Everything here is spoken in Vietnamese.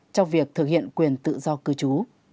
trong việc thực hiện quyền tự do cư chú